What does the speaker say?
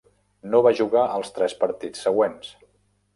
No va jugar als tres partits següents.